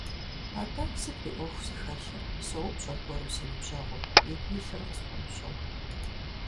Атӏэ, сыт уи ӏуэху зыхэлъыр - соупщӏ аргуэру си ныбжьэгъум, игу илъыр къысхуэмыщӏэу.